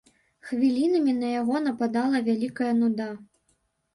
Хвілінамі на яго нападала вялікая нуда.